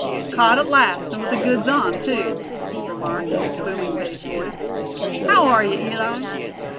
"Caught at last, and with the goods on, too!" he remarked, in his booming bass voice. "How are you, Eli?